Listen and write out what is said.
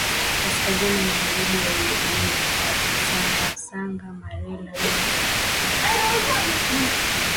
kaskazini Magharibi ya Uluguru Sangasanga Merela Doma Mangae Msongozi Magali Mtipure Mkata pembezoni mwa